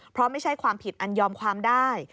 เพราะไม่ใช่ความผิดอันยอมความได้